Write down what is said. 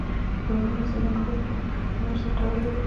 د هنر اصلي ځانګړتیا ښکلا ده. ښګلا او هنر سره تړلي دي.